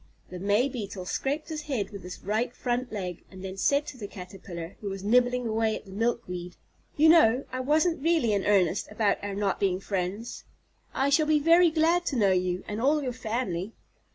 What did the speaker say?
The May Beetle scraped his head with his right front leg, and then said to the Caterpillar, who was nibbling away at the milkweed: "You know, I wasn't really in earnest about our not being friends. I shall be very glad to know you, and all your family."